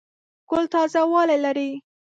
ګل تازه والی لري.